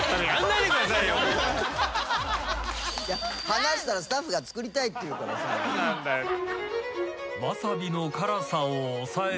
いや話したらスタッフが作りたいっていうからさ。